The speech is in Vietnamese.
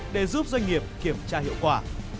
để giúp doanh nghiệp kiểm tra hiệu quả